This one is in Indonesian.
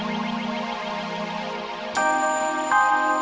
ingat anak ampun